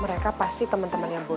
mereka pasti temen temennya boy